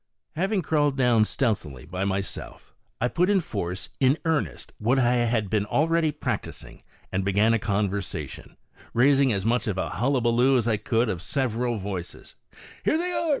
Having crawled down stealthily by myself, I put in forcein earnest what I had been already practising, and began a conversation, raising as much of a hullabullo as I could of several voices: " Here they are